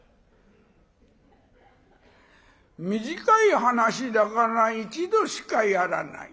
「短い噺だから一度しかやらない。